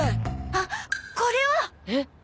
あっこれは！えっ？